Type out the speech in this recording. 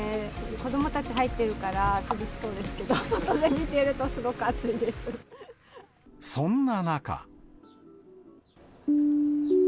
子どもたち入ってるから、涼しそうですけど、外で見てるとすごくそんな中。